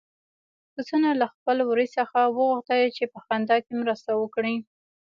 پسونو له خپل وري څخه وغوښتل چې په خندا کې مرسته وکړي.